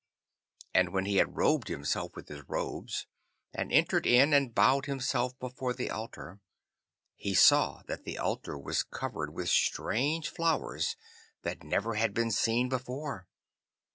And when he had robed himself with his robes, and entered in and bowed himself before the altar, he saw that the altar was covered with strange flowers that never had been seen before.